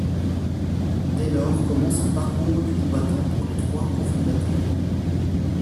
Dès lors commence un parcours du combattant pour les trois cofondateurs.